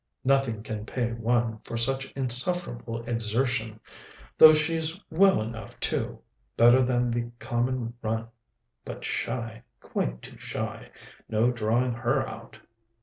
"Nothing can pay one for such insufferable exertion! though she's well enough, too better than the common run but shy, quite too shy; no drawing her out."